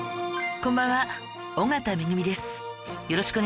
こんばんは。